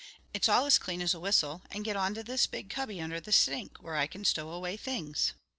It's all as clean as a whistle; and get on to this big cubby under the sink where I can stow away things."